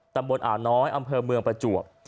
ตำบลอ่าวน้อยอำเภอเมืองประจวบ